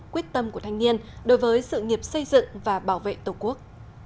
quyết tâm của thanh niên đối với sự nghiệp xây dựng và bảo vệ tổ quốc